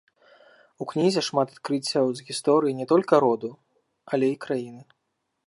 У кнізе шмат адкрыццяў з гісторыі не толькі роду, але і краіны.